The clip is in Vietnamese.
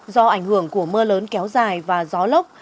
do ảnh hưởng của mưa lớn kéo dài và gió lốc